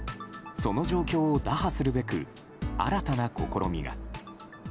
その状況を打破するべく新たな試みが。